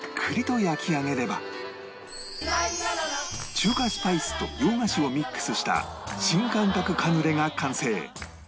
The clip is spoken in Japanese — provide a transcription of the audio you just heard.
中華スパイスと洋菓子をミックスした新感覚カヌレが完成